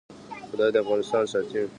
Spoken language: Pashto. خدای دې افغانستان ساتي